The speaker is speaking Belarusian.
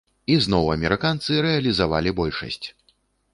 І зноў амерыканцы рэалізавалі большасць.